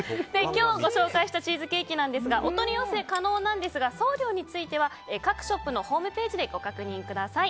今日ご紹介したチーズケーキですがお取り寄せ可能なんですが送料については各ショップのホームページでご確認ください。